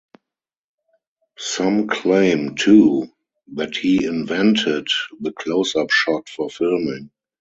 Some claim, too, that he "invented" the close-up shot for filming.